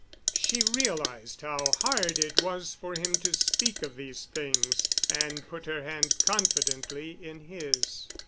She realized how hard it was for him to speak of these things, and put her hand confidently in his.